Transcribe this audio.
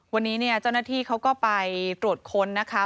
วันนี้เนี่ยเจ้าหน้าที่เขาก็ไปตรวจค้นนะคะ